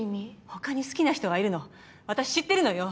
他に好きな人がいるの私知ってるのよ！